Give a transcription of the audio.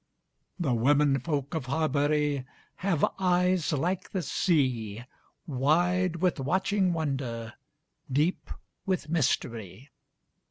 The women folk of Harbury have eyes like the sea, Wide with watching wonder, deep with mystery.